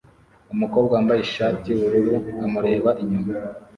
numukobwa wambaye ishati yubururu amureba inyuma